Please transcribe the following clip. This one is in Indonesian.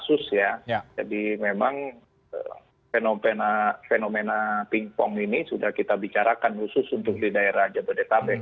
beberapa kali peningkatan kasus ya jadi memang fenomena pingpong ini sudah kita bicarakan khusus untuk di daerah jabodetabek